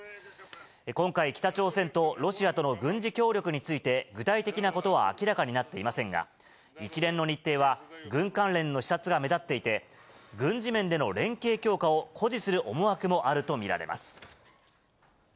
今回、北朝鮮とロシアとの軍事協力について、具体的なことは明らかになっていませんが、一連の日程は軍関連の視察が目立っていて、軍事面での連携強化を誇示する思惑もあると見られます。